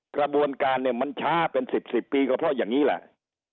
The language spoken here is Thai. กระบวนการเนี่ยมันช้าเป็น๑๐๑๐ปีก็เพราะอย่างนี้แหละ